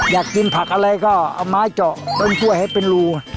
อยากกินผักอะไรก็เอาไม้เจาะต้นกล้วยให้เป็นรู